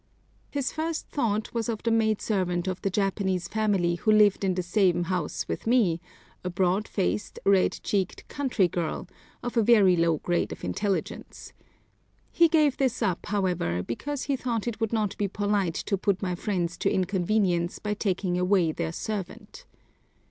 His first thought was of the maidservant of the Japanese family who lived in the same house with me, a broad faced, red cheeked country girl, of a very low grade of intelligence. He gave this up, however, because he thought it would not be polite to put my friends to inconvenience by taking away their servant.